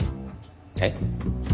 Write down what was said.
えっ？